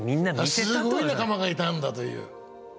すごい仲間がいたんだという。